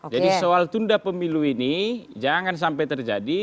jadi soal tunda pemilu ini jangan sampai terjadi